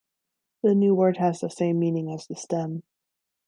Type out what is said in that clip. The new word has the same meaning as the stem.